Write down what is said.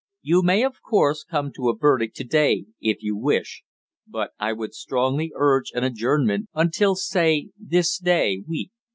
You may, of course, come to a verdict to day if you wish, but I would strongly urge an adjournment until, say, this day week."